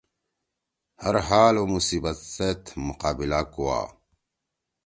ہر ہال او مصیبت سیت مقابلہ کوا۔